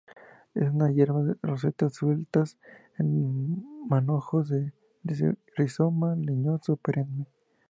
Es una hierba en rosetas sueltas, en manojos desde un rizoma leñoso perenne.